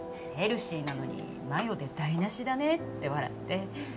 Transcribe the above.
ヘルシーなのにマヨで台無しだねって笑って。